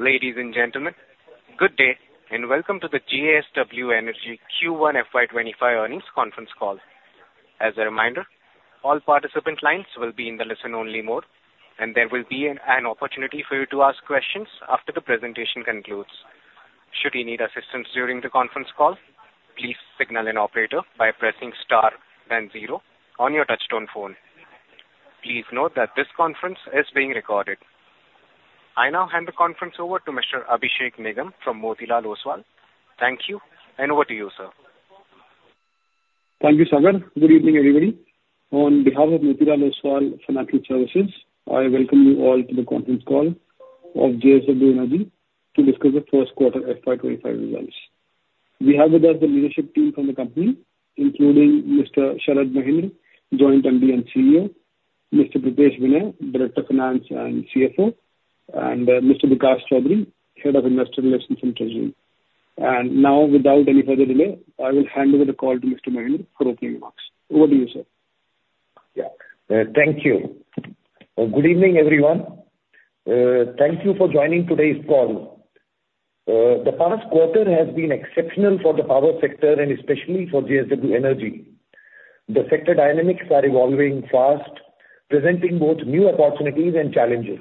Ladies and gentlemen, good day, and welcome to the JSW Energy Q1 FY25 earnings conference call. As a reminder, all participant lines will be in the listen-only mode, and there will be an opportunity for you to ask questions after the presentation concludes. Should you need assistance during the conference call, please signal an operator by pressing star then zero on your touchtone phone. Please note that this conference is being recorded. I now hand the conference over to Mr. Abhishek Nigam from Motilal Oswal. Thank you, and over to you, sir. Thank you, Sagar. Good evening, everybody. On behalf of Motilal Oswal Financial Services, I welcome you all to the conference call of JSW Energy to discuss the Q1 FY 2025 results. We have with us the leadership team from the company, including Mr. Sharad Mahendra, Joint MD and CEO, Mr. Pritesh Vinay, Director of Finance and CFO, and Mr. Vikas Chhabra, Head of Investor Relations and Treasury. Now, without any further delay, I will hand over the call to Mr. Mahendra for opening remarks. Over to you, sir. Yeah. Thank you. Good evening, everyone. Thank you for joining today's call. The past quarter has been exceptional for the power sector and especially for JSW Energy. The sector dynamics are evolving fast, presenting both new opportunities and challenges.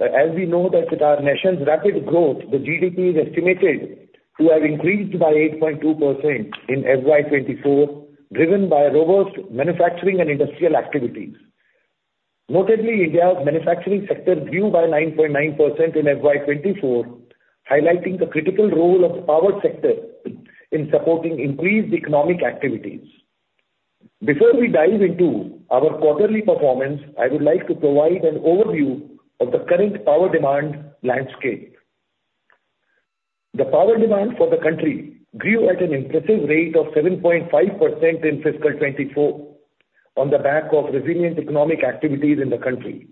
As we know that with our nation's rapid growth, the GDP is estimated to have increased by 8.2% in FY 2024, driven by robust manufacturing and industrial activities. Notably, India's manufacturing sector grew by 9.9% in FY 2024, highlighting the critical role of the power sector in supporting increased economic activities. Before we dive into our quarterly performance, I would like to provide an overview of the current power demand landscape. The power demand for the country grew at an impressive rate of 7.5% in fiscal 2024, on the back of resilient economic activities in the country.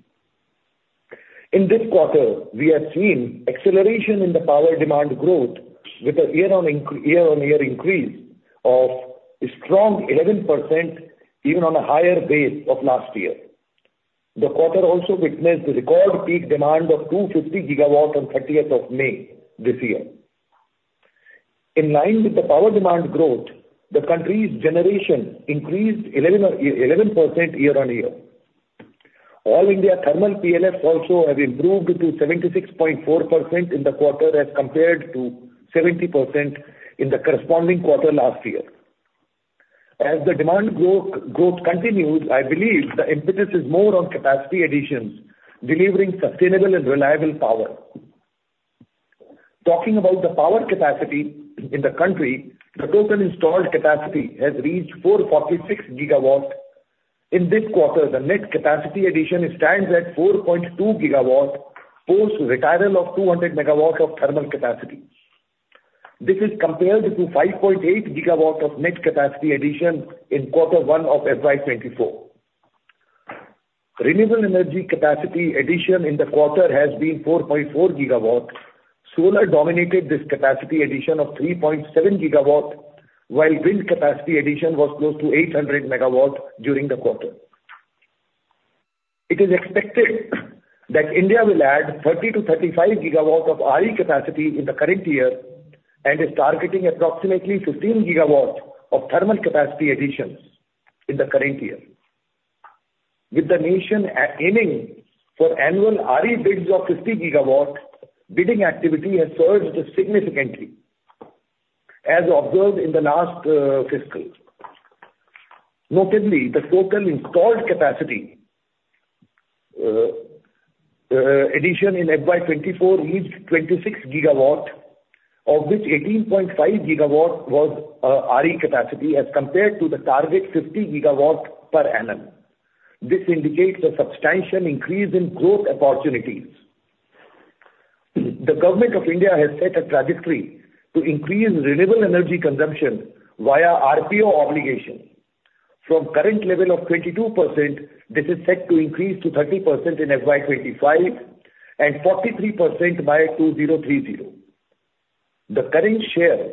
In this quarter, we have seen acceleration in the power demand growth with a year-on-year increase of a strong 11%, even on a higher base of last year. The quarter also witnessed a record peak demand of 250 GW on 30th of May this year. In line with the power demand growth, the country's generation increased 11% year-on-year. All India thermal PLFs also have improved to 76.4% in the quarter, as compared to 70% in the corresponding quarter last year. As the demand growth continues, I believe the impetus is more on capacity additions, delivering sustainable and reliable power. Talking about the power capacity in the country, the total installed capacity has reached 446 GW. In this quarter, the net capacity addition stands at 4.2 GW, post-retirement of 200 MW of thermal capacity. This is compared to 5.8 GW of net capacity addition in Q1 of FY 2024. Renewable energy capacity addition in the quarter has been 4.4 GW. Solar dominated this capacity addition of 3.7 GW, while wind capacity addition was close to 800 MW during the quarter. It is expected that India will add 30 GW to 35 GW of RE capacity in the current year and is targeting approximately 15 GW of thermal capacity additions in the current year. With the nation aiming for annual RE bids of 50 GW, bidding activity has surged significantly, as observed in the last fiscal. Notably, the total installed capacity addition in FY 2024 reached 26 GW, of which 18.5 GW was RE capacity as compared to the target 50 GW per annum. This indicates a substantial increase in growth opportunities. The Government of India has set a trajectory to increase renewable energy consumption via RPO obligation. From current level of 22%, this is set to increase to 30% in FY 2025 and 43% by 2030. The current share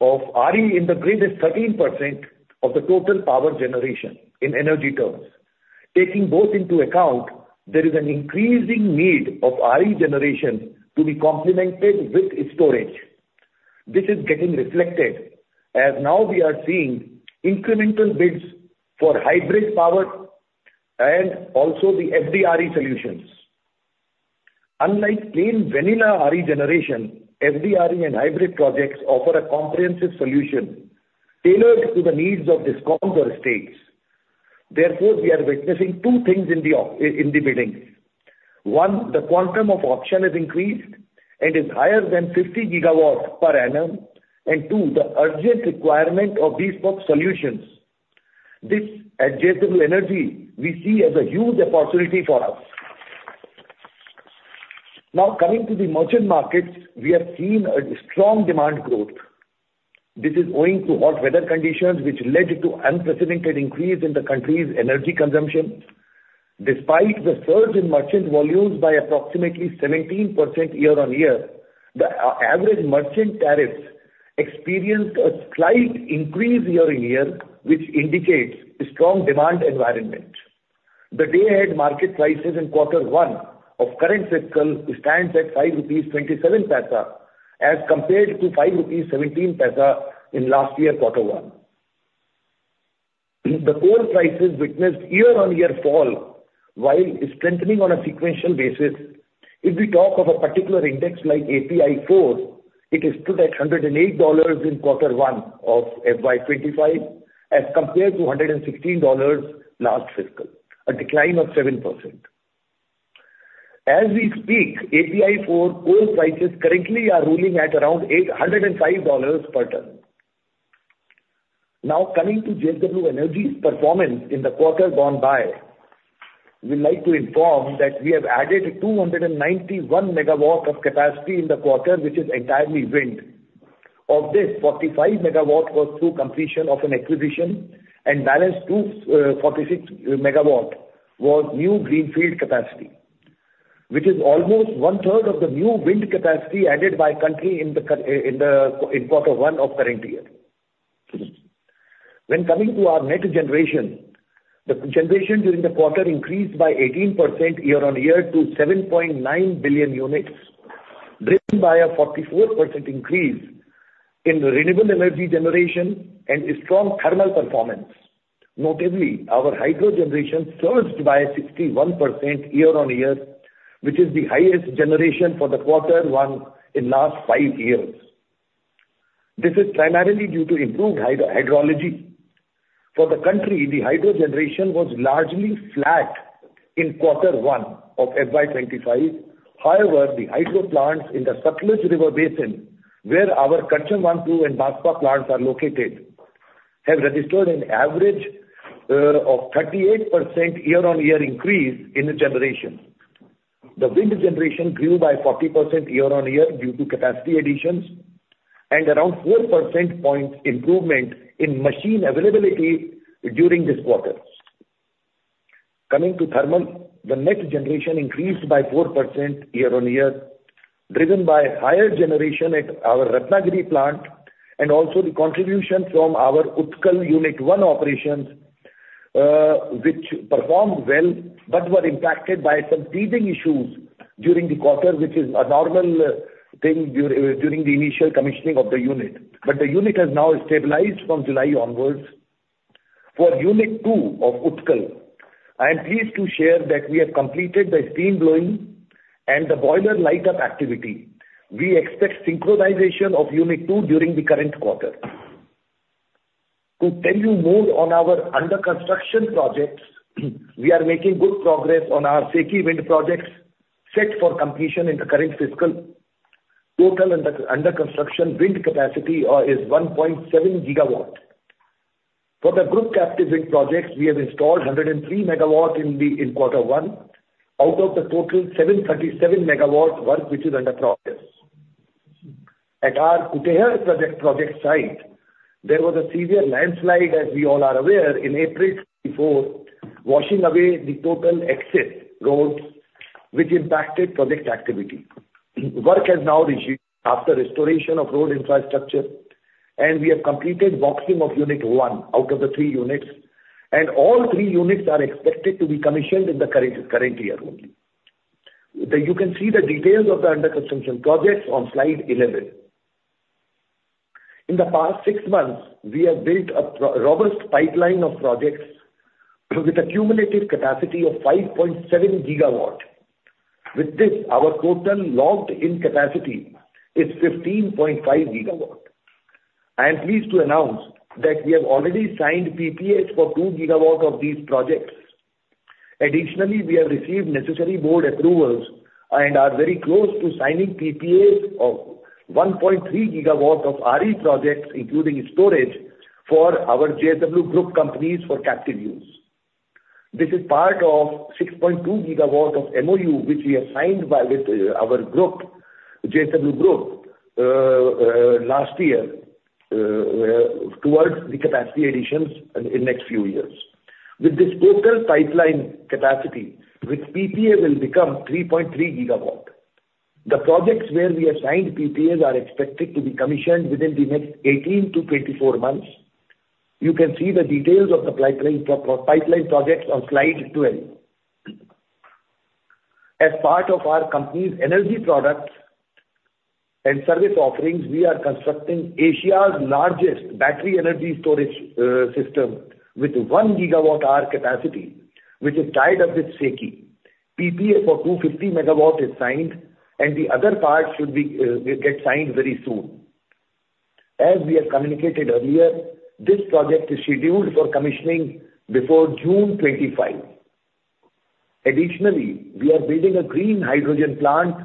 of RE in the grid is 13% of the total power generation in energy terms. Taking both into account, there is an increasing need of RE generation to be complemented with storage. This is getting reflected, as now we are seeing incremental bids for hybrid power and also the FDRE solutions. Unlike plain vanilla RE generation, FDRE and hybrid projects offer a comprehensive solution tailored to the needs of DISCOM or states. Therefore, we are witnessing two things in the off, in the biddings. One, the quantum of auction has increased and is higher than 50 GW per annum, and two, the urgent requirement of these solutions. This, at JSW Energy, we see as a huge opportunity for us. Now, coming to the merchant markets, we have seen a strong demand growth. This is owing to hot weather conditions, which led to unprecedented increase in the country's energy consumption. Despite the surge in merchant volumes by approximately 17% year-on-year, the average merchant tariffs experienced a slight increase year-on-year, which indicates a strong demand environment. The day ahead market prices in Q1 of current fiscal stands at 5.27 rupees, as compared to 5.17 rupees in last year, Q1. The coal prices witnessed year-on-year fall, while strengthening on a sequential basis. If we talk of a particular index like API 4, it is still at $108 in Q1 of FY 2025, as compared to $116 last fiscal, a decline of 7%. As we speak, API 4 coal prices currently are ruling at around $805 per ton. Now, coming to JSW Energy's performance in the quarter gone by, we'd like to inform that we have added 291 MW of capacity in the quarter, which is entirely wind. Of this, 45 MW was through completion of an acquisition, and balance 246 MW was new greenfield capacity, which is almost one third of the new wind capacity added by country in Q1 of current year. When coming to our net generation, the generation during the quarter increased by 18% year-on-year to 7.9 billion units, driven by a 44% increase in renewable energy generation and a strong thermal performance. Notably, our hydro generation surged by 61% year-on-year, which is the highest generation for the Q1 in last 5 years. This is primarily due to improved hydrology. For the country, the hydro generation was largely flat in Q1 of FY 2025. However, the hydro plants in the Sutlej River basin, where our Karcham Wangtoo and Baspa plants are located, have registered an average of 38% year-on-year increase in the generation. The wind generation grew by 40% year-on-year due to capacity additions, and around 4 percentage points improvement in machine availability during this quarter. Coming to thermal, the net generation increased by 4% year-on-year, driven by higher generation at our Ratnagiri plant, and also the contribution from our Utkal Unit One operations, which performed well, but were impacted by some teething issues during the quarter, which is a normal thing during the initial commissioning of the unit. But the unit has now stabilized from July onwards. For Unit Two of Utkal, I am pleased to share that we have completed the steam blowing and the boiler light up activity. We expect synchronization of Unit Two during the current quarter. To tell you more on our under construction projects, we are making good progress on our SECI wind projects set for completion in the current fiscal. Total under construction wind capacity is 1.7 GW. For the group captive wind projects, we have installed 103 MW in Q1, out of the total 737 MW work, which is under process. At our Kutehr project site, there was a severe landslide, as we all are aware, in April 2024, washing away the total access roads, which impacted project activity. Work has now resumed after restoration of road infrastructure, and we have completed boxing of Unit One out of the three units, and all three units are expected to be commissioned in the current year only. You can see the details of the under-construction projects on Slide 11. In the past six months, we have built a robust pipeline of projects with a cumulative capacity of 5.7 GW. With this, our total locked-in capacity is 15.5 GW. I am pleased to announce that we have already signed PPAs for 2 GW of these projects. Additionally, we have received necessary board approvals and are very close to signing PPAs of 1.3 GW of RE projects, including storage, for our JSW Group companies for captive use. This is part of 6.2 GW of MoU, which we have signed with our group, JSW Group, last year towards the capacity additions in next few years. With this total pipeline capacity, with PPA will become 3.3 GW. The projects where we have signed PPAs are expected to be commissioned within the next 18 to 24 months. You can see the details of the project pipeline projects on Slide 12. As part of our company's energy products and service offerings, we are constructing Asia's largest battery energy storage system with 1 GWh capacity, which is tied up with SECI. PPA for 250 MW is signed, and the other part should be, will get signed very soon. As we have communicated earlier, this project is scheduled for commissioning before June 2025. Additionally, we are building a green hydrogen plant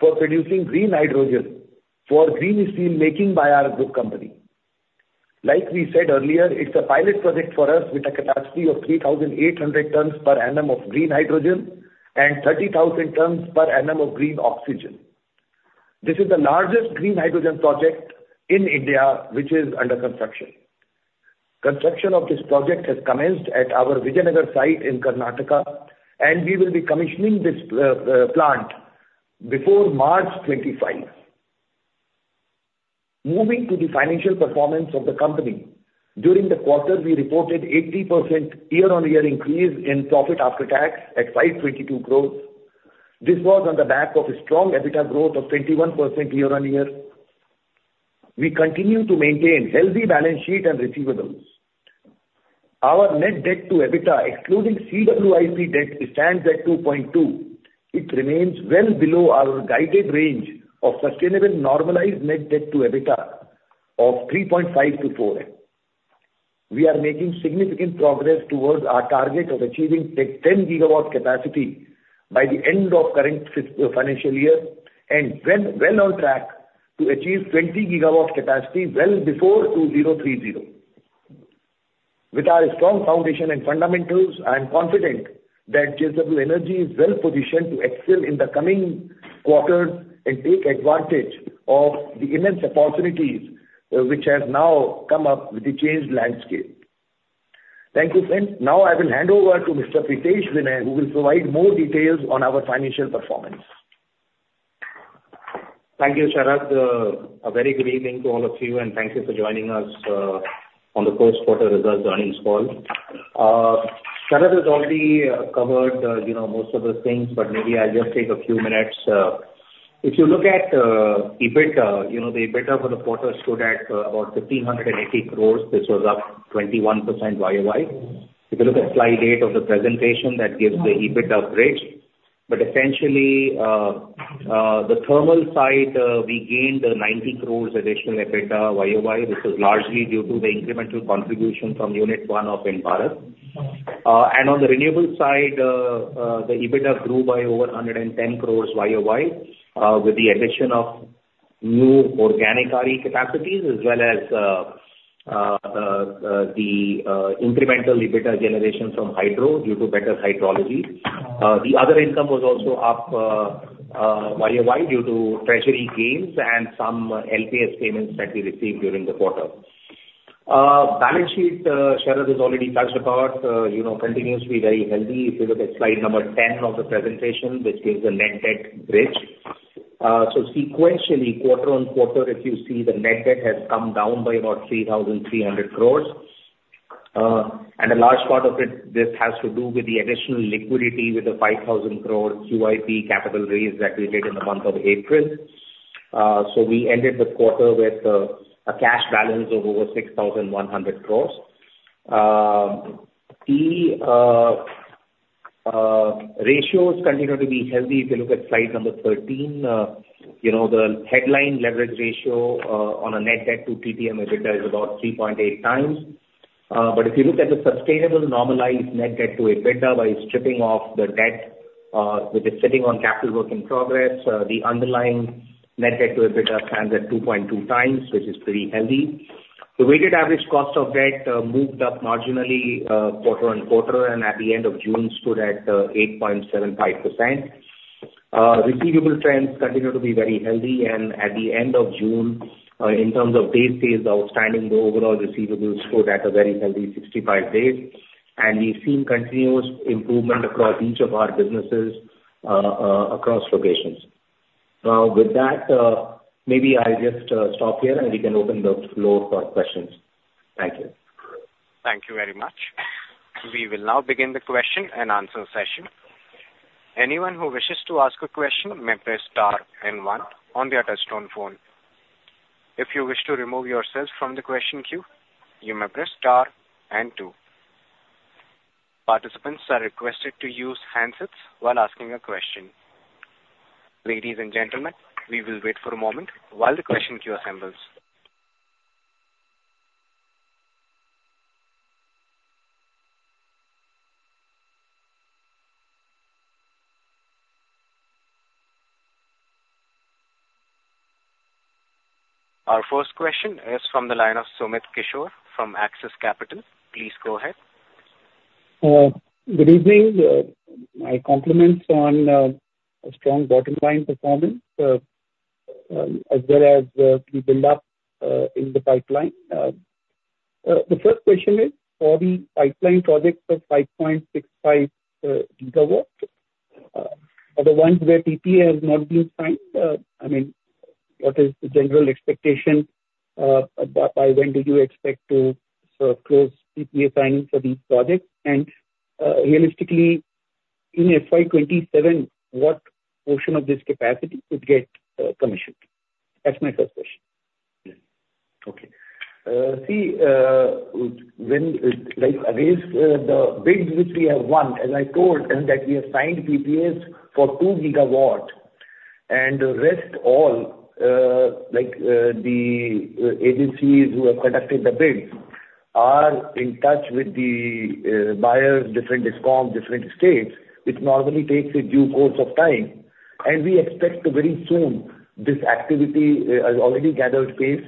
for producing green hydrogen for green steelmaking by our group company. Like we said earlier, it's a pilot project for us with a capacity of 3,800 tons per annum of green hydrogen and 30,000 tons per annum of green oxygen. This is the largest green hydrogen project in India, which is under construction. Construction of this project has commenced at our Vijayanagar site in Karnataka, and we will be commissioning this plant before March 2025. Moving to the financial performance of the company, during the quarter, we reported 80% year-on-year increase in profit after tax at 522 crore. This was on the back of a strong EBITDA growth of 21% year-on-year. We continue to maintain healthy balance sheet and receivables. Our net debt to EBITDA, excluding CWIP debt, stands at 2.2. It remains well below our guided range of sustainable normalized net debt to EBITDA of 3.5 to 4. We are making significant progress towards our target of achieving 10 GW capacity by the end of current financial year, and well, well on track to achieve 20 GW capacity well before 2030. With our strong foundation and fundamentals, I am confident that JSW Energy is well positioned to excel in the coming quarters and take advantage of the immense opportunities, which have now come up with the changed landscape. Thank you, friends. Now, I will hand over to Mr. Pritesh Vinay, who will provide more details on our financial performance. Thank you, Sharad. A very good evening to all of you, and thank you for joining us on the Q1 results earnings call. Sharad has already covered, you know, most of the things, but maybe I'll just take a few minutes. If you look at EBITDA, you know, the EBITDA for the quarter stood at about 1,580 crores. This was up 21% YOY. If you look at slide 8 of the presentation, that gives the EBITDA bridge. But essentially, the thermal side, we gained 90 crores additional EBITDA YOY, which is largely due to the incremental contribution from unit one of Ind-Barath. On the renewable side, the EBITDA grew by over 110 crore YOY, with the addition of new organic ARE capacities, as well as, the, incremental EBITDA generation from hydro due to better hydrology. The other income was also up, YOY, due to treasury gains and some LPS payments that we received during the quarter. Balance sheet, Sharad has already touched about, you know, continuously very healthy. If you look at slide number 10 of the presentation, which gives the net debt bridge. So sequentially, quarter-on-quarter, if you see, the net debt has come down by about 3,300 crore, and a large part of it, this has to do with the additional liquidity with the 5,000 crore QIP capital raise that we did in the month of April. So we ended the quarter with a cash balance of over 6,100 crore. The ratios continue to be healthy. If you look at slide number 13, you know, the headline leverage ratio on a net debt to LTM EBITDA is about 3.8x. But if you look at the sustainable normalized net debt to EBITDA by stripping off the debt, which is sitting on capital work in progress, the underlying net debt to EBITDA stands at 2.2x, which is pretty healthy. The weighted average cost of debt, moved up marginally, quarter-on-quarter, and at the end of June, stood at, 8.75%. Receivable trends continue to be very healthy, and at the end of June, in terms of days sales outstanding, the overall receivables stood at a very healthy 65 days. And we've seen continuous improvement across each of our businesses, across locations. With that, maybe I'll just, stop here, and we can open the floor for questions. Thank you. Thank you very much. We will now begin the Q&A session. Anyone who wishes to ask a question may press star and one on their touchtone phone. If you wish to remove yourself from the question queue, you may press star and two. Participants are requested to use handsets while asking a question. Ladies and gentlemen, we will wait for a moment while the question queue assembles. Our first question is from the line of Sumit Kishore from Axis Capital. Please go ahead. Good evening. My compliments on a strong bottom line performance, as well as the build up in the pipeline. The first question is, for the pipeline projects of 5.65 GW, are the ones where PPA has not been signed, I mean, what is the general expectation? About by when do you expect to close PPA signing for these projects? And, realistically, in FY 2027, what portion of this capacity could get commissioned? That's my first question. Okay. See, when, like, anyways, the bids which we have won, as I told, and that we have signed PPAs for 2 GW, and the rest all, like, the agencies who have conducted the bids, are in touch with the buyers, different DISCOM, different states, which normally takes a due course of time. And we expect very soon, this activity has already gathered pace,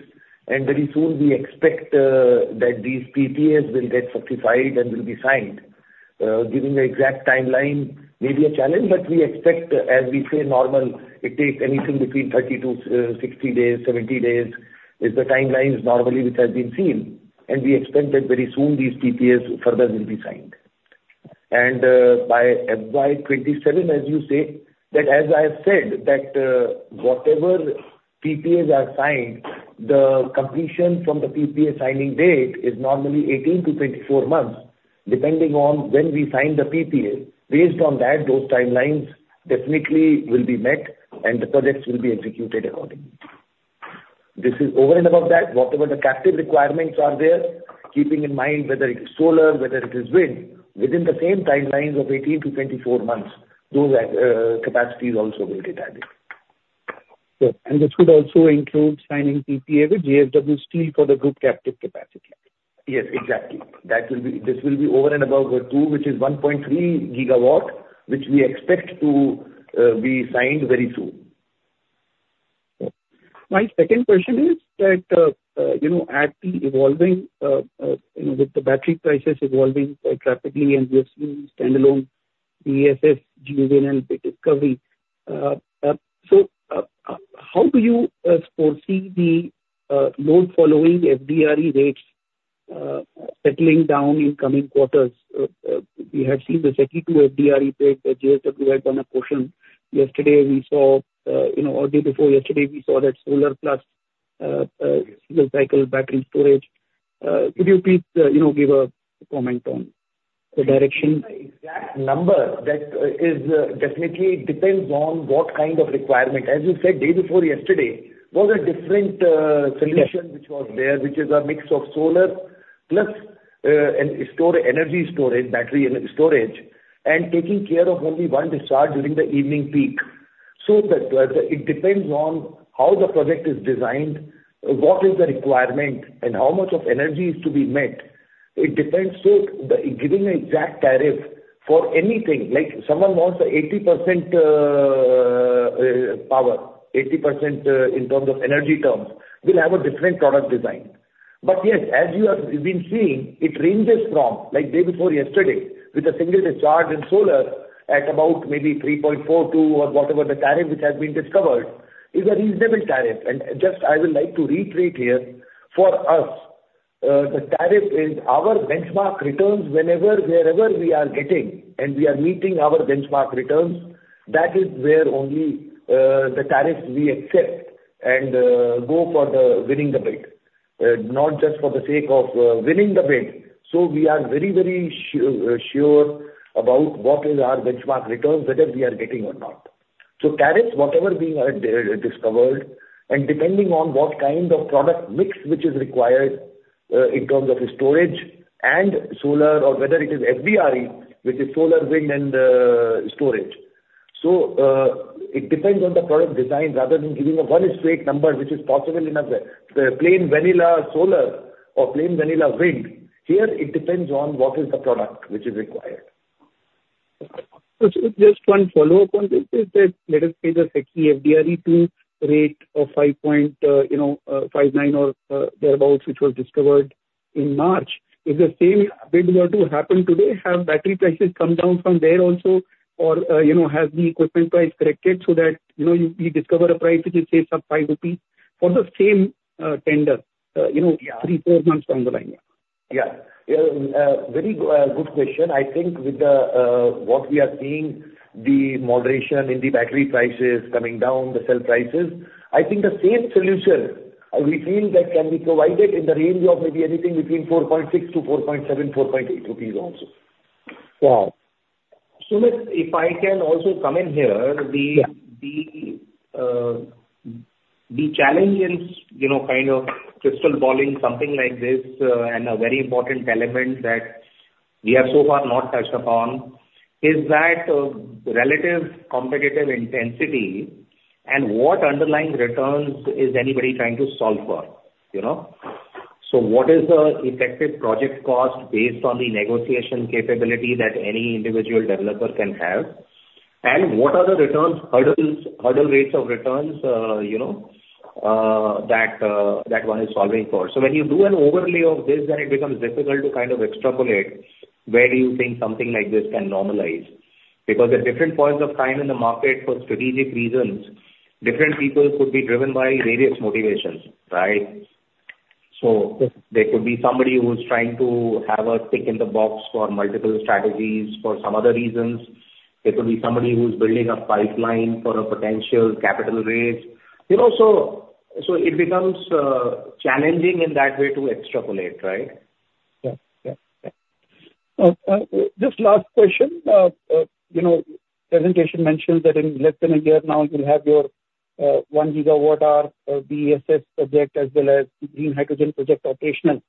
and very soon we expect that these PPAs will get fortified and will be signed. Giving the exact timeline may be a challenge, but we expect, as we say, normal, it takes anything between 30 to 60 days, 70 days, is the timelines normally which has been seen. And we expect that very soon these PPAs further will be signed. By FY 2027, as you say, that as I have said, that, whatever PPAs are signed, the completion from the PPA signing date is normally 18 to 24 months, depending on when we sign the PPA. Based on that, those timelines definitely will be met, and the projects will be executed accordingly. This is over and above that, whatever the captive requirements are there, keeping in mind whether it's solar, whether it is wind, within the same timelines of 18 to 24 months, those, capacities also will get added. Good. And this would also include signing PPA with JSW Steel for the group captive capacity? Yes, exactly. That will be. This will be over and above the two, which is 1.3 GW, which we expect to be signed very soon. My second question is that, you know, as the evolving, you know, with the battery prices evolving quite rapidly and we have seen standalone BESS use in and discovery. So, how do you foresee the load following FDRE rates settling down in coming quarters? We had seen the SECI two FDRE rate that JSW had won a portion. Yesterday, we saw, you know, or day before yesterday, we saw that solar plus single cycle battery storage. Could you please, you know, give a comment on the direction? The exact number that is definitely depends on what kind of requirement. As you said, day before yesterday, was a different solution Yeah. which was there, which is a mix of solar plus, and storage, energy storage, battery storage, and taking care of only one discharge during the evening peak. So the, it depends on how the project is designed, what is the requirement, and how much of energy is to be met. It depends. So the, giving an exact tariff for anything, like someone wants 80%, power, 80%, in terms of energy terms, will have a different product design. But yes, as you have, we've been seeing, it ranges from, like day before yesterday, with a single discharge in solar at about maybe 3.42 or whatever the tariff which has been discovered, is a reasonable tariff. And just I would like to reiterate here, for us, the tariff is our benchmark returns whenever, wherever we are getting, and we are meeting our benchmark returns, that is where only the tariffs we accept and go for winning the bid, not just for the sake of winning the bid. So we are very, very sure about what is our benchmark returns, whether we are getting or not. So tariffs, whatever we have discovered, and depending on what kind of product mix which is required, in terms of storage and solar or whether it is FDRE, which is solar, wind, and storage. So it depends on the product design rather than giving a one straight number, which is possible in a plain vanilla solar or plain vanilla wind. Here, it depends on what is the product which is required. So just one follow-up on this is that, let us say the SECI FDRE 2 rate of 5.59 or thereabouts, which was discovered in March. If the same bid were to happen today, have battery prices come down from there also? Or, you know, has the equipment price corrected so that, you know, you discover a price which is, say, some 5 rupees for the same tender, you know- Yeah. 3, 4 months down the line? Yeah. Yeah, very good question. I think with the, what we are seeing, the moderation in the battery prices coming down, the cell prices, I think the same solution, we feel that can be provided in the range of maybe anything between 4.6 to 4.7, 4.8 rupees also. Yeah. Sumit, if I can also come in here. Yeah. The challenge in, you know, kind of crystal balling something like this, and a very important element that we have so far not touched upon, is that relative competitive intensity and what underlying returns is anybody trying to solve for, you know? So what is the effective project cost based on the negotiation capability that any individual developer can have? And what are the returns, hurdles, hurdle rates of returns, you know, that one is solving for? So when you do an overlay of this, then it becomes difficult to kind of extrapolate where do you think something like this can normalize. Because at different points of time in the market, for strategic reasons, different people could be driven by various motivations, right? So there could be somebody who's trying to have a tick in the box for multiple strategies, for some other reasons. There could be somebody who's building a pipeline for a potential capital raise. You know, so, so it becomes, challenging in that way to extrapolate, right? Yeah. Yeah, yeah. Just last question. You know, presentation mentions that in less than a year now, you'll have your 1 GWh BESS project as well as green hydrogen project operational.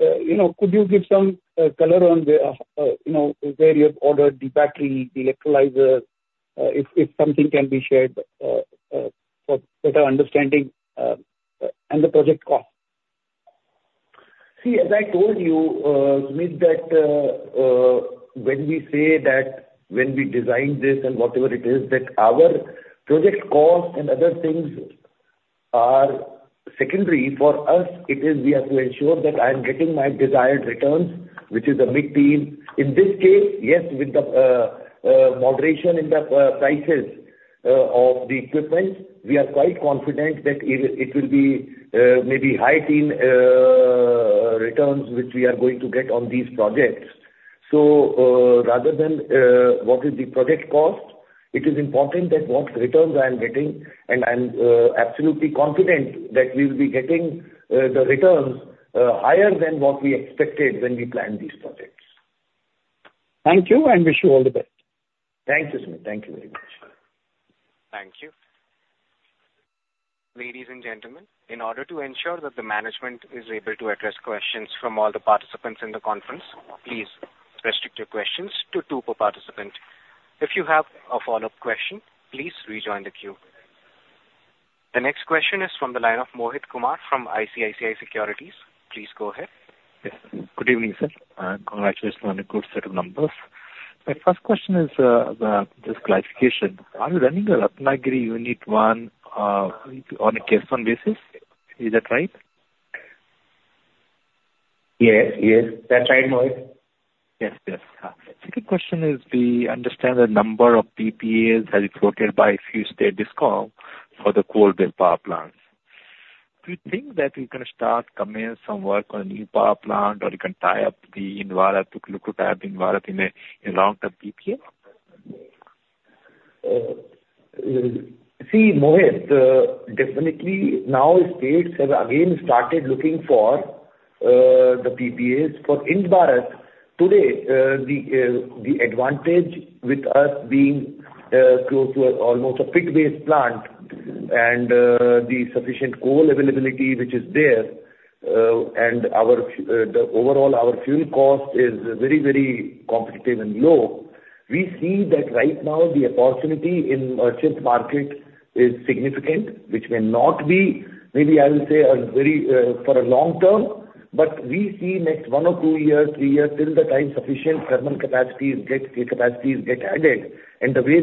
You know, could you give some color on where you know, where you have ordered the battery, the electrolyzer, if something can be shared, for better understanding, and the project cost? See, as I told you, Sumit, that when we say that when we design this and whatever it is, that our project cost and other things are secondary for us, it is we have to ensure that I am getting my desired returns, which is the mid-teen. In this case, yes, with the moderation in the prices of the equipment, we are quite confident that it will be maybe high-teen returns, which we are going to get on these projects. So, rather than what is the project cost, it is important that what returns I am getting, and I'm absolutely confident that we will be getting the returns higher than what we expected when we planned these projects. Thank you, and wish you all the best. Thank you, Sumit. Thank you very much. Thank you. Ladies and gentlemen, in order to ensure that the management is able to address questions from all the participants in the conference, please restrict your questions to two per participant. If you have a follow-up question, please rejoin the queue. The next question is from the line of Mohit Kumar from ICICI Securities. Please go ahead. Good evening, sir, and congratulations on a good set of numbers. My first question is about this clarification. Are you running the Ratnagiri Unit 1 on a case-by-case basis? Is that right? Yes. Yes, that's right, Mohit. Yes, yes. Second question is, we understand the number of PPAs that is floated by few state discoms for the coal-based power plants. Do you think that you're going to start coming in some work on a new power plant, or you can tie up the Ind-Barath, look to tie up Ind-Barath in a, in long-term PPA? See, Mohit, definitely now states have again started looking for the PPAs. For Ind-Barath, today the advantage with us being close to almost a pit-based plant and the sufficient coal availability which is there and our the overall our fuel cost is very, very competitive and low. We see that right now the opportunity in merchant market is significant, which may not be, maybe I will say, a very for a long term, but we see next 1 or 2 years, 3 years, till the time sufficient thermal capacities get, the capacities get added. And the way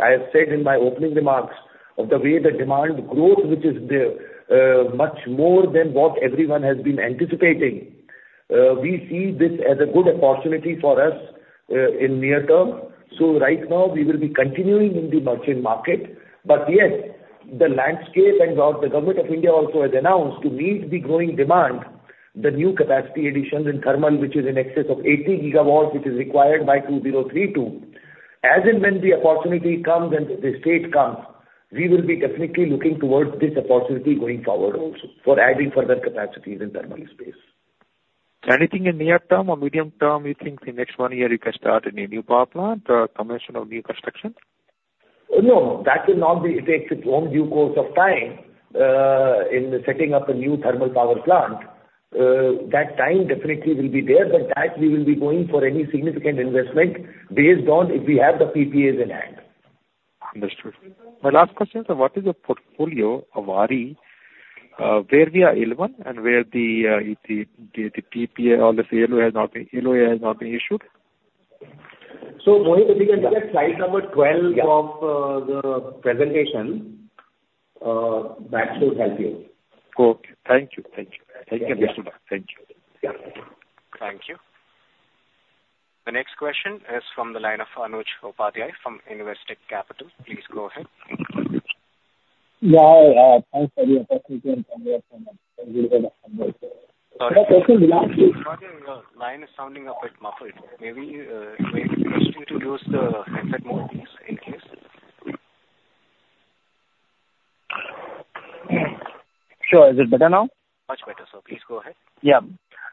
I have said in my opening remarks, of the way the demand growth, which is there, much more than what everyone has been anticipating, we see this as a good opportunity for us in near term. Right now we will be continuing in the merchant market. Yes, the landscape and what the government of India also has announced, to meet the growing demand, the new capacity additions in thermal, which is in excess of 80 GW, which is required by 2032, as and when the opportunity comes and the state comes, we will be definitely looking towards this opportunity going forward also for adding further capacities in thermal space. Anything in near term or medium term, you think the next one year you can start any new power plant, commission or new construction? No, that will not be. It takes its own due course of time, in the setting up a new thermal power plant. That time definitely will be there, but that we will be going for any significant investment based on if we have the PPAs in hand. Understood. My last question, sir: What is your portfolio of various where we are 11 and where the PPA or the LOA has not been issued? Mohit, if you can check slide number 12 Yeah. of the presentation that should help you. Okay. Thank you. Thank you. Thank you, Mr. Sharad. Thank you. Yeah. Thank you. The next question is from the line of Anuj Upadhyay from Investec Capital. Please go ahead. Yeah, thanks for the opportunity and congrats on the, on the good numbers. My question belongs- Sir, your line is sounding a bit muffled. Maybe, maybe you need to use the headset mode, please, in case. Sure. Is it better now? Much better, sir. Please go ahead. Yeah.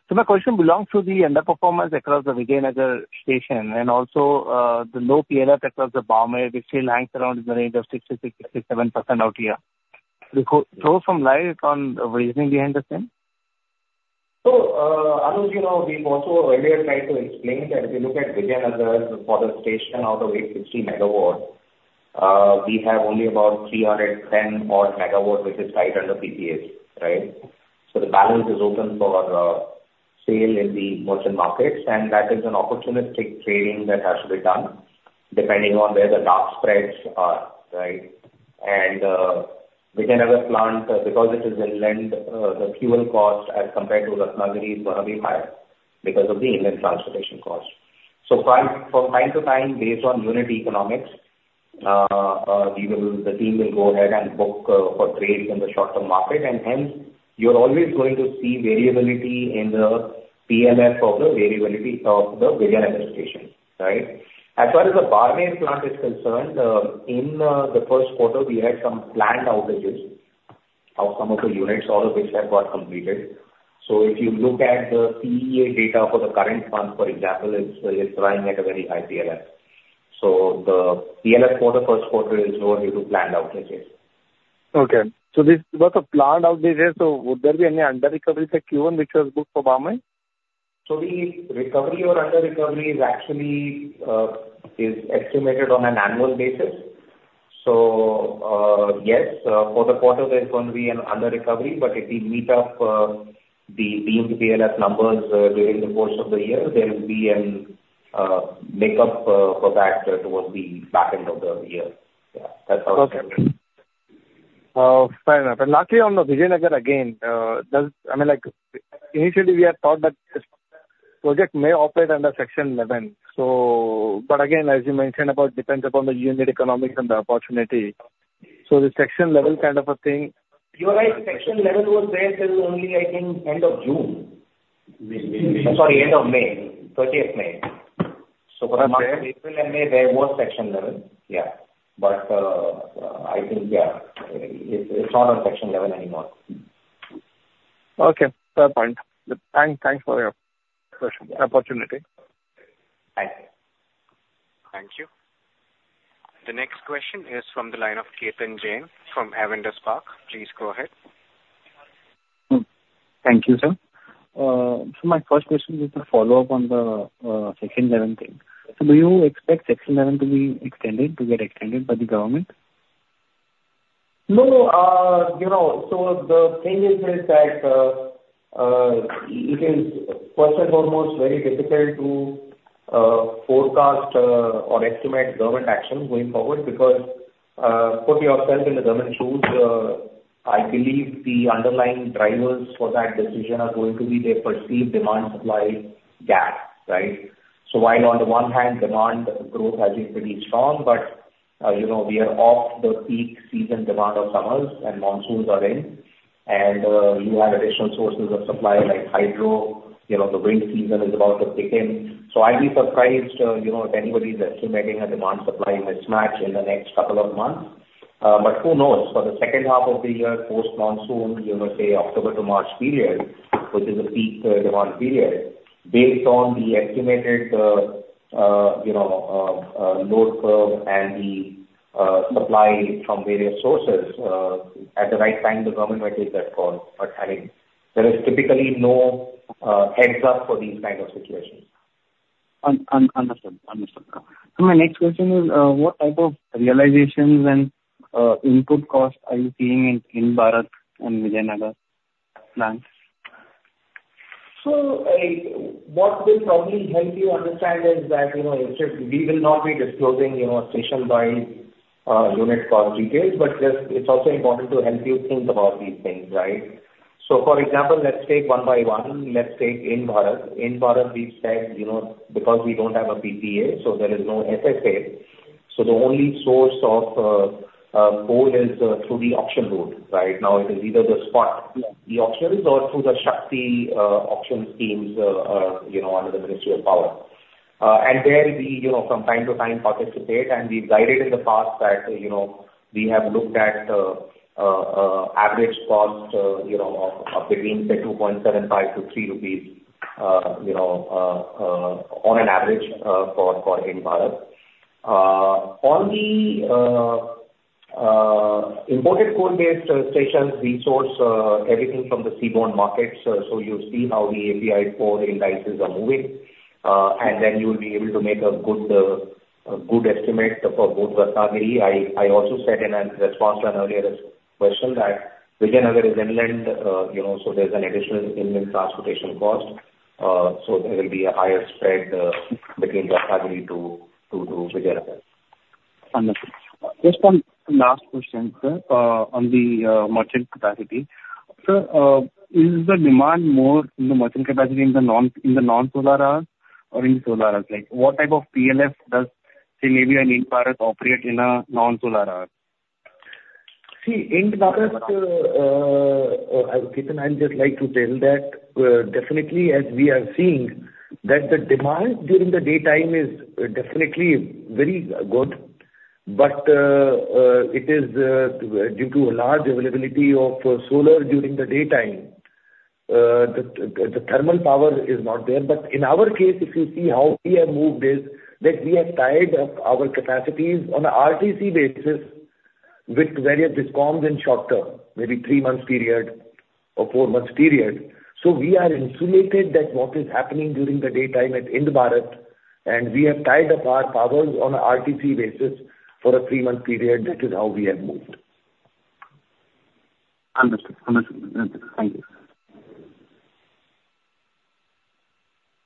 So my question belongs to the underperformance across the Vijayanagar station and also, the low PLF across the Barmer, which still hangs around in the range of 60% to 67% out here. Could you throw some light on the reasoning behind the same? So, Anuj, you know, we've also earlier tried to explain that if you look at Vijayanagar for the station out of 860 MW, we have only about 310 odd MW, which is tied under PPAs, right? So the balance is open for sale in the merchant markets, and that is an opportunistic trading that has to be done depending on where the dark spreads are, right? And, Vijayanagar plant, because it is inland, the fuel cost as compared to Ratnagiri is going to be higher because of the inland transportation cost. So time, from time to time, based on unit economics, we will, the team will go ahead and book, for trades in the short-term market, and hence, you're always going to see variability in the PLF or the variability of the Vijayanagar station, right? As far as the Barmer plant is concerned, in, the Q1, we had some planned outages of some of the units, all of which have got completed. So if you look at the CEA data for the current month, for example, it's running at a very high PLF. So the PLF for the Q1 is lower due to planned outages. Okay. So this was a planned outages, so would there be any underrecovery for Q1, which was good for Barmer? So the recovery or under-recovery is actually, is estimated on an annual basis. So, yes, for the quarter, there's going to be an under-recovery, but if we meet up, the deemed PLF numbers, during the course of the year, there will be an make up for that towards the back end of the year. Yeah, that's how it's going to be. Fair enough. And lastly, on the Vijayanagar again, does, I mean, like, initially we had thought that this project may operate under Section 11, so, but again, as you mentioned, about depends upon the unit economics and the opportunity. So the Section 11 kind of a thing- You're right, Section 11 was there till only, I think, end of June. Mm-hmm. Sorry, end of May. 30th May. For March, April and May, there was Section 11. Yeah. But I think, yeah, it's not on Section 11 anymore. Okay, fair point. Thanks for your question, opportunity. Thank you. Thank you. The next question is from the line of Ketan Jain from Avendus Spark. Please go ahead. Thank you, sir. So my first question is to follow up on the Section 11 thing. So do you expect Section 11 to be extended, to get extended by the government? No, you know, so the thing is, is that it is first and foremost very difficult to forecast or estimate government action going forward, because put yourself in the government's shoes. I believe the underlying drivers for that decision are going to be the perceived demand-supply gap, right? So while on the one hand, demand growth has been pretty strong, but you know, we are off the peak season demand of summers and monsoons are in, and you have additional sources of supply, like hydro, you know, the wind season is about to kick in. So I'd be surprised, you know, if anybody's estimating a demand-supply mismatch in the next couple of months. But who knows? For the second half of the year, post-monsoon, you know, say, October to March period, which is a peak, demand period, based on the estimated, you know, load curve and the, supply from various sources, at the right time, the government might take that call. But I think there is typically no, heads-up for these kind of situations. Understood. Understood. My next question is, what type of realizations and input costs are you seeing in Ind-Barath and Vijayanagar plants? So, what will probably help you understand is that, you know, if we will not be disclosing, you know, station-wide, unit cost details, but just it's also important to help you think about these things, right? So, for example, let's take one by one. Let's take Ind-Barath. Ind-Barath, we've said, you know, because we don't have a PPA, so there is no SSA. So the only source of coal is through the auction route. Right now, it is either the spot, the auctions or through the Shakti auction schemes, you know, under the Ministry of Power. And there we, you know, from time to time participate, and we've guided in the past that, you know, we have looked at average cost, you know, of between say 2.75 to 3 rupees, you know, on an average, for Ind-Barath. On the imported coal-based stations, we source everything from the seaborne markets, so you'll see how the API coal indices are moving. And then you'll be able to make a good, a good estimate for both Ratnagiri. I also said in a response to an earlier question, that Vijayanagar is inland, you know, so there's an additional inland transportation cost. So there will be a higher spread between Ratnagiri to Vijayanagar. Understood. Just one last question, sir. On the merchant capacity. Sir, is the demand more in the merchant capacity in the non-solar hours or in solar hours? Like, what type of PLF does, say, maybe an Ind-Barath operate in a non-solar hour? See, Ind-Barath, Ketan, I'd just like to tell that, definitely, as we are seeing, that the demand during the daytime is definitely very good, but it is due to a large availability of solar during the daytime, the thermal power is not there. But in our case, if you see how we have moved is, that we have tied up our capacities on an RTC basis with various DISCOMs in short term, maybe 3 months period or 4 months period. So we are insulated that what is happening during the daytime at Ind-Barath, and we have tied up our powers on a RTC basis for a 3-month period. That is how we have moved. Understood. Understood. Thank you.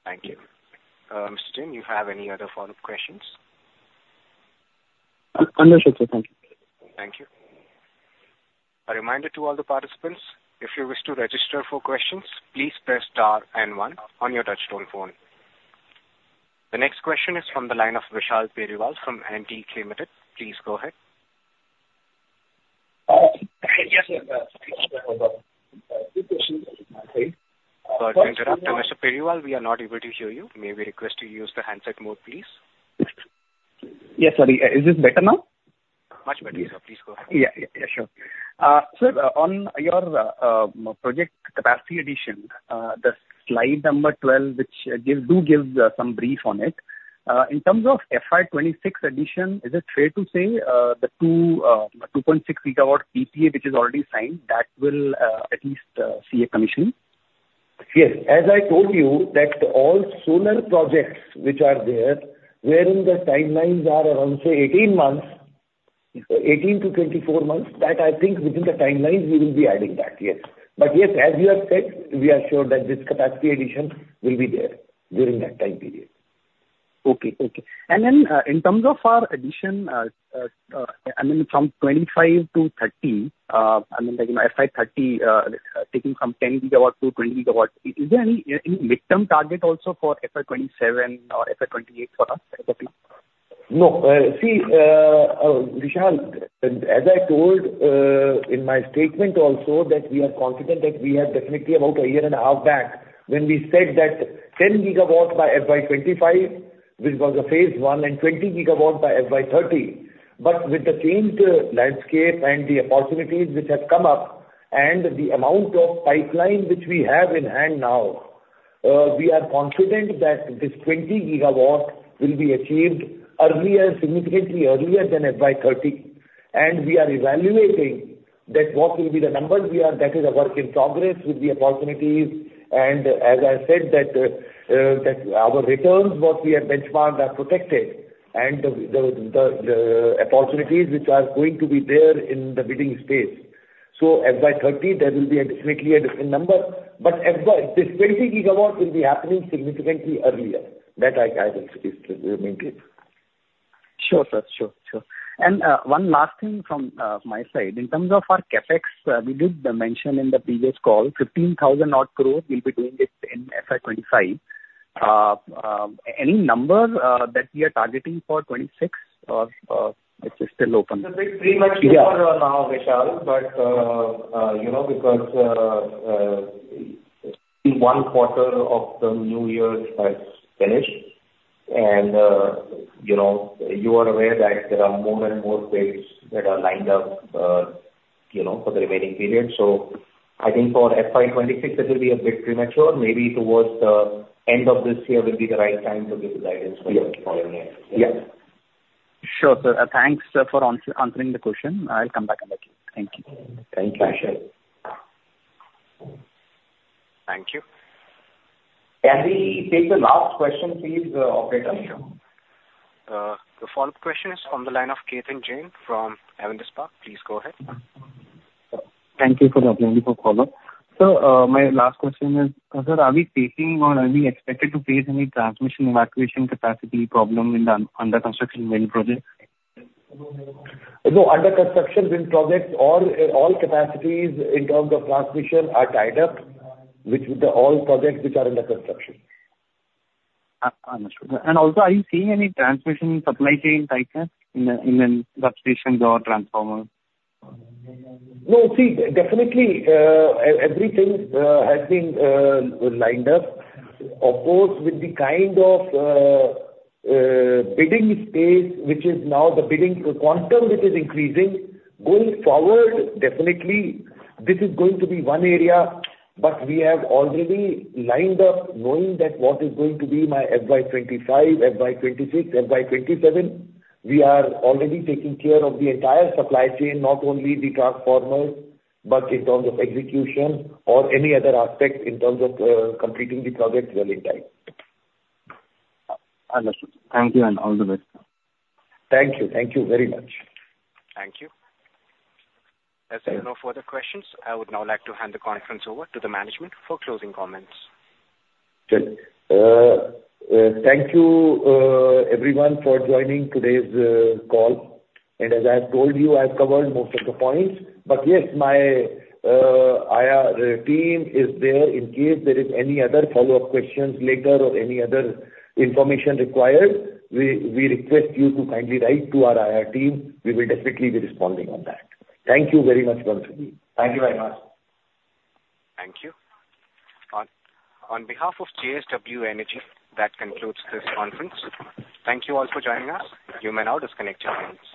Thank you. Mr. Jain, do you have any other follow-up questions? Understood, sir. Thank you. Thank you. A reminder to all the participants, if you wish to register for questions, please press star and one on your touchtone phone. The next question is from the line of Vishal Periwal from Antique Stock Broking. Please go ahead. Yes, Sorry to interrupt, Mr. Periwal, we are not able to hear you. May we request you use the handset mode, please? Yes, sorry. Is this better now? Much better. Please go ahead. Yeah. Yeah, sure. Sir, on your project capacity addition, the slide number 12, which gives some brief on it. In terms of FY 2026 addition, is it fair to say the 2.6 GW PPA, which is already signed, that will at least see a commission? Yes. As I told you, that all solar projects which are there, wherein the timelines are around, say, 18 months. So 18 to 24 months, that I think within the timelines, we will be adding that, yes. But yes, as you have said, we are sure that this capacity addition will be there during that time period. Okay, okay. And then, in terms of our addition, I mean, from 25 to 30, I mean, like in FY 2030, taking from 10 GW to 20 GW, is there any midterm target also for FY 2027 or FY 2028 for us, sir? No, see, Vishal, as I told, in my statement also, that we are confident that we are definitely about a year and a half back when we said that 10 GW by FY 2025, which was a phase I, and 20 GW by FY 2030. But with the changed landscape and the opportunities which have come up, and the amount of pipeline which we have in hand now, we are confident that this 20 GW will be achieved earlier, significantly earlier than FY 2030. We are evaluating that what will be the numbers we are. That is a work in progress with the opportunities, and as I said, that, that our returns, what we have benchmarked, are protected, and the, the, the, the opportunities which are going to be there in the bidding space. So FY 2030, there will definitely be a different number, but FY, this 20 GW will be happening significantly earlier. That I will still maintain. Sure, sir. Sure, sure. And, one last thing from my side: in terms of our CapEx, we did mention in the previous call, 15,000 crore or so will be doing it in FY 2025. Any numbers that we are targeting for 2026, or it's still open? Yeah. It's pretty much for now, Vishal, but, you know, because, one quarter of the new year has finished and, you know, you are aware that there are more and more bids that are lined up, you know, for the remaining period. So I think for FY 2026, it will be a bit premature. Maybe towards the end of this year will be the right time to give you the guidance for the following year. Yeah. Sure, sir. Thanks, sir, for answering the question. I'll come back another time. Thank you. Thank you, Vishal. Thank you. Can we take the last question, please, operator? Sure. The follow-up question is on the line of Ketan Jain from Avendus Spark. Please go ahead. Thank you for letting me follow up. Sir, my last question is, sir, are we facing or are we expected to face any transmission evacuation capacity problem in the under construction wind project? No, under construction wind projects, all, all capacities in terms of transmission are tied up, which with the all projects which are under construction. Understood. And also, are you seeing any transmission supply chain tightness in the substations or transformers? No, see, definitely, everything has been lined up. Of course, with the kind of bidding space which is now the bidding, the quantum which is increasing, going forward, definitely this is going to be one area, but we have already lined up knowing that what is going to be my FY 2025, FY 2026, FY 2027. We are already taking care of the entire supply chain, not only the transformers, but in terms of execution or any other aspect in terms of completing the project well in time. Understood. Thank you and all the best. Thank you. Thank you very much. Thank you. As there are no further questions, I would now like to hand the conference over to the management for closing comments. Sure. Thank you, everyone, for joining today's call. As I have told you, I've covered most of the points, but yes, my IR team is there in case there is any other follow-up questions later or any other information required. We request you to kindly write to our IR team. We will definitely be responding on that. Thank you very much once again. Thank you very much. Thank you. On behalf of JSW Energy, that concludes this conference. Thank you all for joining us. You may now disconnect your lines.